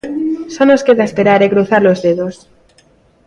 Só nos queda esperar e cruzar os dedos.